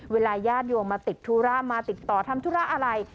ญาติโยมมาติดธุระมาติดต่อทำธุระอะไร